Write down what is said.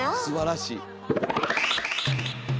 すばらしい。